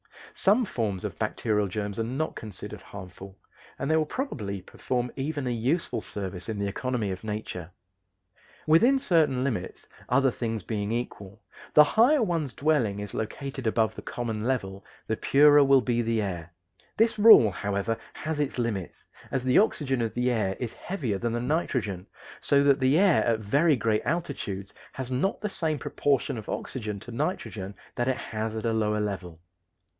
Some forms of bacterial germs are not considered harmful, and they probably perform even a useful service in the economy of nature. Within certain limits, other things being equal, the higher one's dwelling is located above the common level the purer will be the air. This rule, however, has its limits, as the oxygen of the air is heavier than the nitrogen, so that the air at very great altitudes has not the same proportion of oxygen to nitrogen that it has at a lower level.